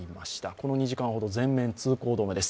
この２時間ほど全面通行止めです。